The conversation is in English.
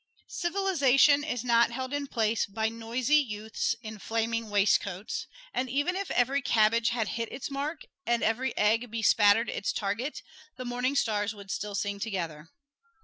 Civilization is not held in place by noisy youths in flaming waistcoats; and even if every cabbage had hit its mark, and every egg bespattered its target, the morning stars would still sing together.